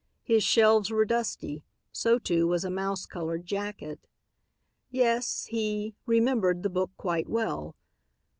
His shelves were dusty, so too was a mouse colored jacket. Yes, he "remembered the book quite well."